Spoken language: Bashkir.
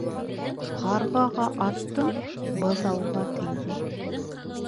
Ҡарғаға аттым, быҙауға тейҙе.